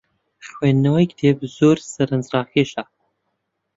خوێندنەوەی کتێب زۆر سەرنجڕاکێشە.